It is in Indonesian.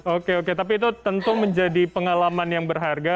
oke oke tapi itu tentu menjadi pengalaman yang berharga